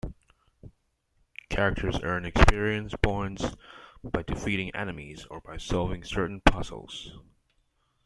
Characters earn experience points by defeating enemies or by solving certain puzzles.